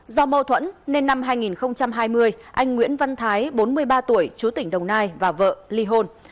do mâu thuẫn nên năm hai nghìn hai mươi anh nguyễn văn thái bốn mươi ba tuổi chú tỉnh đồng nai và vợ ly hôn